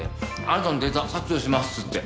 「あなたのデータ削除します」って。